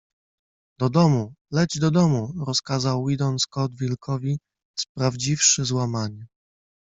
Do domu! Leć do domu! - rozkazał Weedon Scott wilkowi, sprawdziwszy złamanie